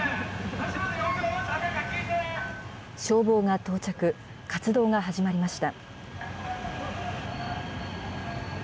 消防が到着、活動が始まりました。